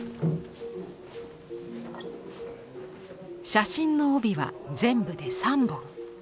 写真の帯は全部で３本。